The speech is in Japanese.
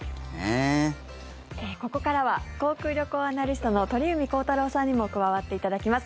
ここからは航空・旅行アナリストの鳥海高太朗さんにも加わっていただきます。